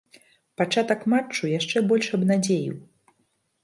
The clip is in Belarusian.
Пачатак матчу яшчэ больш абнадзеіў.